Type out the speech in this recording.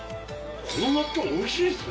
この納豆美味しいですね。